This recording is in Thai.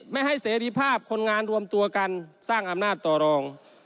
ไม่ให้เสรีภาพคนงานรวมตัวกันสร้างอำนาจต่อรอง